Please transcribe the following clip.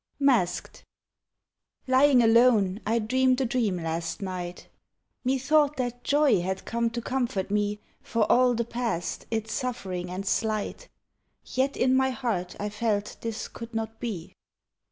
MASKED. Lying alone I dreamed a dream last night: Methought that Joy had come to comfort me For all the past, its suffering and slight, Yet in my heart I felt this could not be.